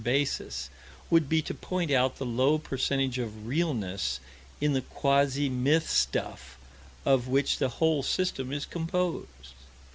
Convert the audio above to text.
basis would be to point out the low percentage of realness in the quasi myth stuff of which the whole system is composed.